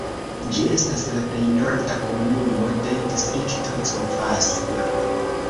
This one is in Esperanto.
Ĝi estas la plej norda komunumo de distrikto Covasna.